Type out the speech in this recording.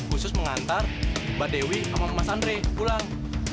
khusus mengantar mbak dewi sama mas andre pulang